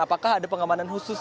apakah ada pengamanan khusus